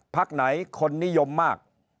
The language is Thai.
พักไหนคนนิยมมาก